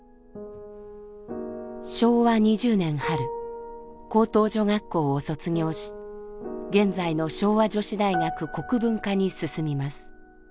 昭和２０年春高等女学校を卒業し現在の昭和女子大学国文科に進みます。